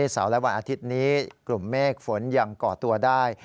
เสาร์และวันอาทิตย์นี้กลุ่มเมฆฝนยังก่อตัวได้